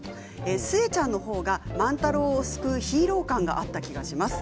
寿恵ちゃんの方が、万太郎を救うヒーロー感があった気がします。